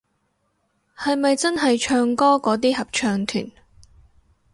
係咪真係唱歌嗰啲合唱團